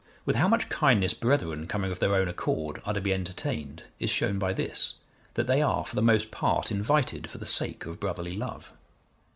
_ With how much kindness brethren, coming of their own accord, are to be entertained, is shown by this, that they are for the most part invited for the sake of brotherly love.